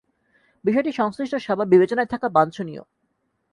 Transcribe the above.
বিষয়টি সংশ্লিষ্ট সবার বিবেচনায় থাকা বাঞ্ছনীয়।